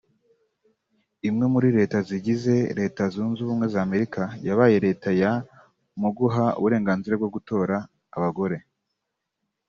imwe muri leta zigize Leta Zunze Ubumwe za Amerika yabaye leta ya mu guha uburenganzira bwo gutora abagore